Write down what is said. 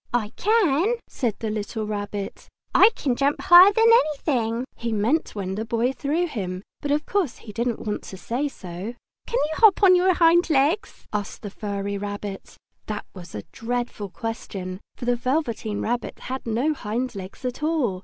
"I can!" said the little Rabbit. "I can jump higher than anything!" He meant when the Boy threw him, but of course he didn't want to say so. "Can you hop on your hind legs?" asked the furry rabbit. That was a dreadful question, for the Velveteen Rabbit had no hind legs at all!